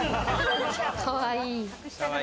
かわいい。